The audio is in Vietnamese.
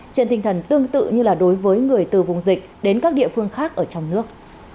trên tinh thần tương tự như là đối với người từ vùng dịch đến các địa phương khác ở trong nước